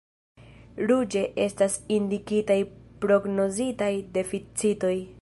Ruĝe estas indikitaj prognozitaj deficitoj.